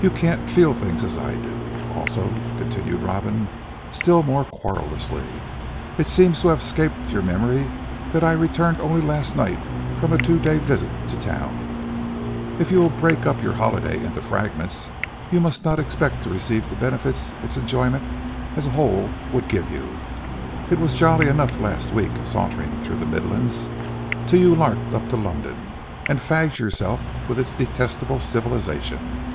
You can't feel things as I do. Also," continued Robin still more querulously, "it seems to have escaped your memory, that I returned only last night from a two day's visit to Town." "If you will break up your holiday into fragments, you must not expect to receive the benefit its enjoyment as a whole would give you. It was jolly enough last week sauntering through the Midlands, till you larked up to London, and fagged yourself with its detestable civilization."